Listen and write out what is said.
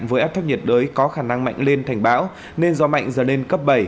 với áp thấp nhiệt đới có khả năng mạnh lên thành bão nên gió mạnh dần lên cấp bảy